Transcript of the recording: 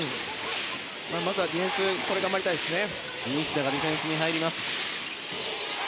まずはディフェンス頑張りたいですね。